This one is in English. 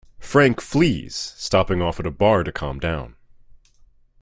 Frank flees, stopping off at a bar to calm down.